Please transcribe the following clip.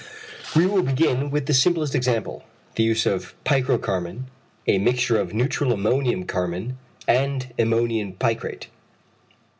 We will begin with the simplest example: the use of picro carmine, a mixture of neutral ammonium carmine and ammonium picrate.